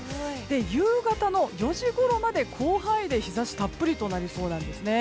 夕方４時ごろまで広範囲で日差したっぷりとなりそうなんですね。